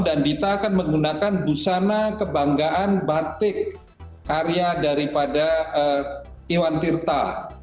dan dita akan menggunakan busana kebanggaan batik karya daripada iwan tirta